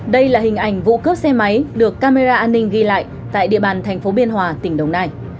đây là hình ảnh vụ cướp xe máy được camera an ninh ghi lại tại địa bàn thành phố biên hòa tỉnh đồng nai